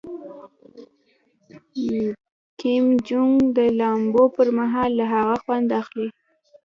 کیم جونګ د لامبو پر مهال له هغه خوند اخلي.